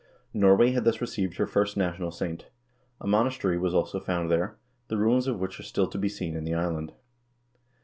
Norway had thus received her first national saint. A monas tery was also founded there, the ruins of which are still to be seen in the island.